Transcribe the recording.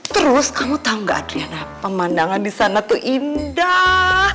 terus kamu tau gak adriana pemandangan disana tuh indah